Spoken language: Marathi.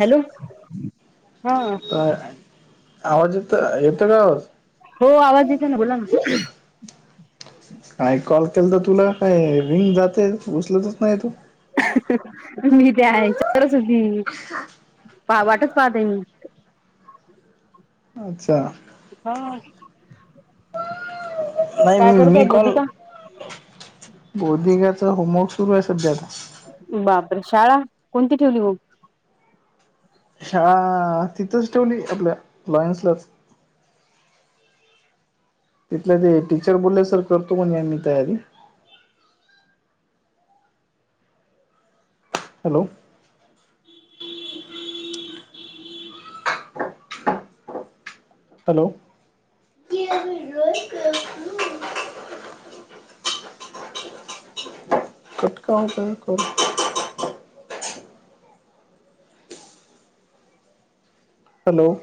हॅलो हा तर आवाज एट काावाज हो आवाज येते ना बोला ना काही कॉल केल तर तुला काय रिंग जाते उचलतच नाही तू मी ते आहे चत्रसधी पा वाटच पाहतय मी अच्छा हा नाही काय मी करताय कोल बुद्धिका बोधिकाच होमवर्क सुरू आहे सध्याता बापर शाळा कोणती ठेवली हो शाळा तिथंच ठेवली आपल्या लॉयन्सलाच तिथल्या ते टीचर बोलले सर करतो कोण आ्ी तयारी हॅलो हॅलो कटका बकू हॅलो